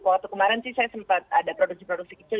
waktu kemarin sih saya sempat ada produksi produksi kecil